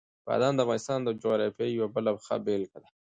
بادام د افغانستان د جغرافیې یوه بله ښه بېلګه ده.